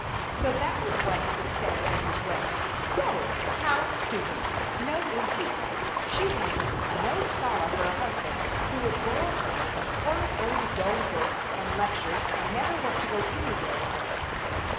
So that was what had been standing in his way! Study! How stupid! No, indeed! She wanted no scholar for a husband, who would bore her with horrid old dull books and lectures and never want to go anywhere with her!